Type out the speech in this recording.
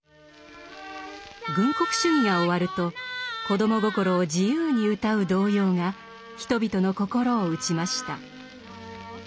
軍国主義が終わると子ども心を自由に歌う童謡が人々の心を打ちました。